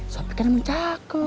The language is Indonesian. sopi kan emang cakep